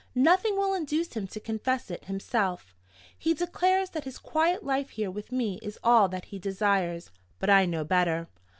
Nothing will induce him to confess it himself. He declares that his quiet life here with me is all that he desires. But I know better!